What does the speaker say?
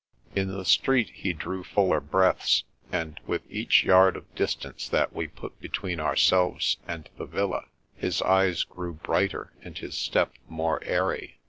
In the street he drew fuller breaths, and with each yard of distance that we put between ourselves and the villa his eyes grew brighter and his step more airy.